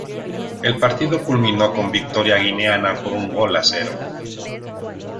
El partido culminó con victoria guineana por un gol a cero.